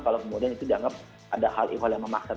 kalau kemudian itu dianggap ada hal ikhal yang memaksa